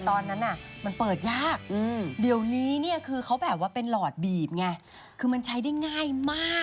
ตอนนั้นมันเปิดยากเดี๋ยวนี้เนี่ยคือเขาแบบว่าเป็นหลอดบีบไงคือมันใช้ได้ง่ายมาก